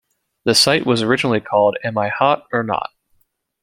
The site was originally called "Am I Hot or Not".